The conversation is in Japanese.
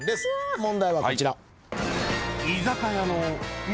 問題はこちら。